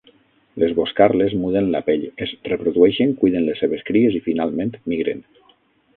Les boscarles muden la pell, es reprodueixen, cuiden les seves cries i, finalment, migren.